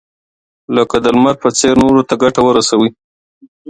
لکه د لمر په څېر نورو ته ګټه ورسوئ.